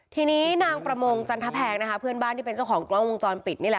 ทีนี้นางประมงจันทแพงนะคะเพื่อนบ้านที่เป็นเจ้าของกล้องวงจรปิดนี่แหละ